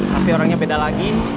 tapi orangnya beda lagi